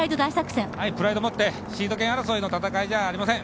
プライドを持ってシード権争いの戦いじゃありません。